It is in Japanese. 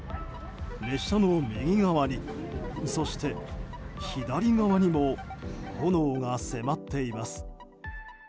列車の右側にそして、左側にも炎が迫っています。